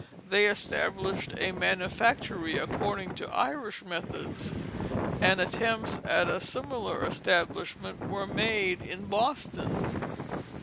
They established a manufactory according to Irish methods, and attempts at a similar establishment were made in Boston.